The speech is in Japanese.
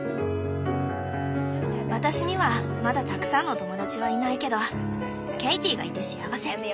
私にはまだたくさんの友だちはいないけどケイティがいて幸せ。